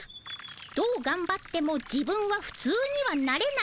どうがんばっても自分はふつうにはなれない。